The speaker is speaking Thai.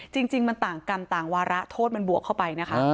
จริงมันต่างกรรมต่างวาระโทษมันบวกเข้าไปนะคะ